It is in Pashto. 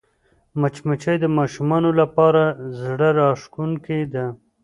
مچمچۍ د ماشومانو لپاره زړهراښکونکې ده